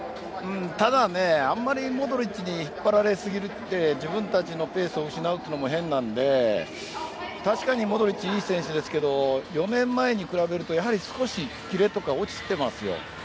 ただ、あまりモドリッチに引っ張られすぎて自分たちのペースを失うのも変なので確かにモドリッチいい選手ですが４年前に比べると少しキレとか落ちてますよ。